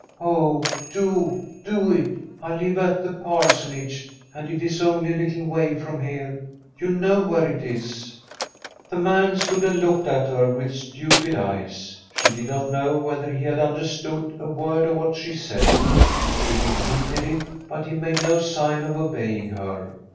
Oh, do do it! I live at the Parsonage, and it is only a little way from here. You know where it is.' I47] fr9m a SWEDISH HOMESTEAD The man stood and looked at her with stupid eyes. She did not know whether he had under stood a word of what she said. She repeated it, but he made no sign of obeying her.